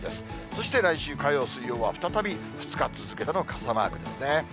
そして来週火曜、水曜は再び２日続けての傘マークですね。